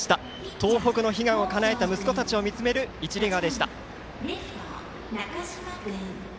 東北の悲願をかなえた息子たちを見つめる一塁側でした。